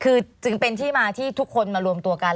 คือจึงเป็นที่มาที่ทุกคนมารวมตัวกัน